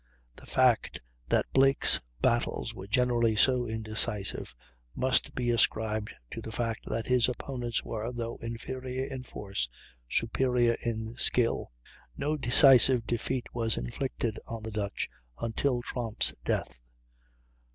The fact that Blake's battles were generally so indecisive must be ascribed to the fact that his opponents were, though inferior in force, superior in skill. No decisive defeat was inflicted on the Dutch until Tromp's death.